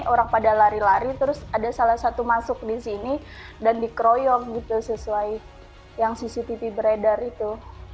orang pada lari lari terus ada salah satu masuk di sini dan dikeroyok gitu sesuai yang cctv beredar itu